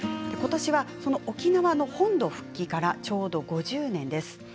ことしはその沖縄の本土復帰からちょうど５０年です。